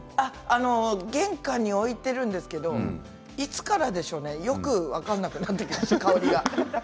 玄関に置いているんですけどいつからかでしょうね分からなくなってきました香りが。